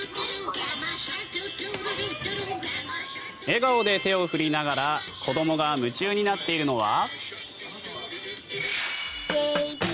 笑顔で手を振りながら子どもが夢中になっているのは。